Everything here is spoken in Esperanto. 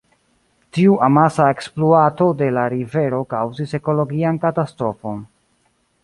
Tiu amasa ekspluato de la rivero kaŭzis ekologian katastrofon.